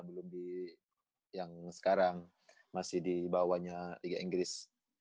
belum di yang sekarang masih di bawahnya liga inggris